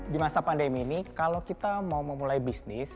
di masa pandemi ini kalau kita mau memulai bisnis